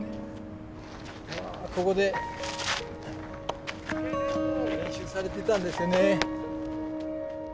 うわここで練習されてたんですよね。